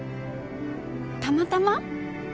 たまたま？